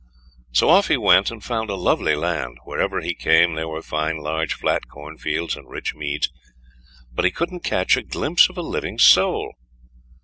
So off he went and found a lovely land; wherever he came there were fine large flat cornfields and rich meads, but he couldn't catch a glimpse of a living soul.